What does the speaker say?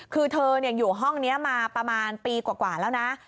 คือเธออยู่ห้องนี้มาประมาณปีกว่าแล้วนะ